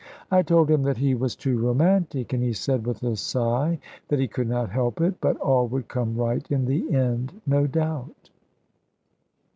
I told him that he was too romantic, and he said with a sigh that he could not help it; but all would come right in the end, no doubt.